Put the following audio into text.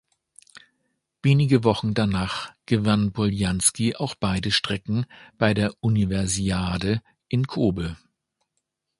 Wenige Wochen danach gewann Poljanski auch beide Strecken bei der Universiade in Kobe.